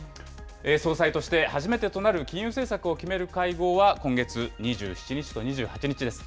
総裁として初めてとなる金融政策を決める会合は、今月２７日と２８日です。